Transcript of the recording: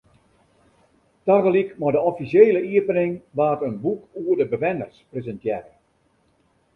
Tagelyk mei de offisjele iepening waard in boek oer de bewenners presintearre.